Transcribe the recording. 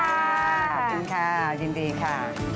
ขอบคุณค่ะยินดีค่ะ